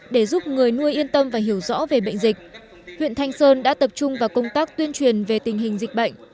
để giúp người nuôi yên tâm và hiểu rõ về bệnh dịch huyện thanh sơn đã tập trung vào công tác tuyên truyền về tình hình dịch bệnh